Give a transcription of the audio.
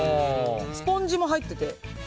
スポンジも入ってて。